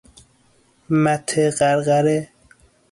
مته قرقره